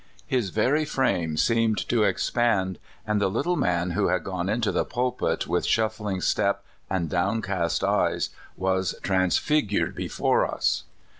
His very frame seemed to ex pand, and the little man who had gone into the pulpit with shuffling step and downcast eyes was transfigured before us.